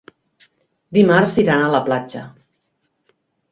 Dimarts iran a la platja.